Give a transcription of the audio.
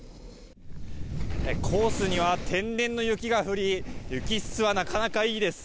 コースには天然の雪が降り雪質はなかなかいいです。